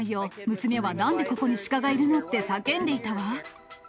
娘はなんでここにシカがいるの？って叫んでいたわ。